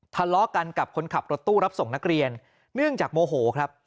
ทะเลาะกันกับคนขับรถตู้รับส่งนักเรียนเนื่องจากโมโหครับ